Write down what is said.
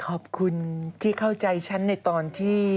ขอบคุณที่เข้าใจฉันในตอนที่